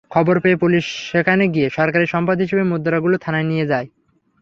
খবর পেয়ে পুলিশ সেখানে গিয়ে সরকারি সম্পদ হিসেবে মুদ্রাগুলো থানায় নিয়ে যায়।